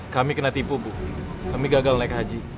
kami kena tipu bu kami gagal naik haji